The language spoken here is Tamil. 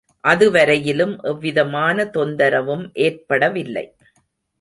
அது வரையிலும் எவ்விதமான தொந்தரவும் ஏற்படவில்லை.